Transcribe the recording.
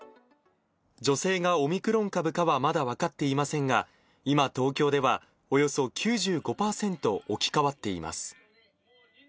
女性がオミクロン株かはまだ分かっていませんが、今、東京では、およそ９５％置き換わっています。